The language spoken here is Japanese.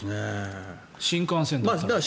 新幹線だったら。